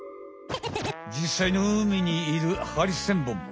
じっさいの海にいるハリセンボンも。